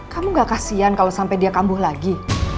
kamu gak kasian kalau sampai dia kambuh lagi